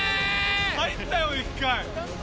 入ったよ１回。